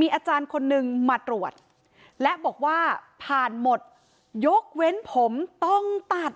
มีอาจารย์คนนึงมาตรวจและบอกว่าผ่านหมดยกเว้นผมต้องตัด